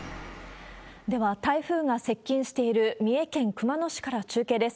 では、台風が接近している三重県熊野市から中継です。